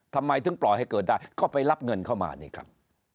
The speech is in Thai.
ทำไมถึงปล่อยให้เกิดได้ก็ไปรับเงินเข้ามานี่ครับ